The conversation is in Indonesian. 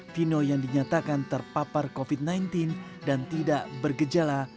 vino yang dinyatakan terpapar covid sembilan belas dan tidak bergejala